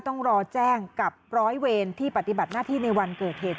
ต้องรอแจ้งกับร้อยเวรที่ปฏิบัติหน้าที่ในวันเกิดเหตุ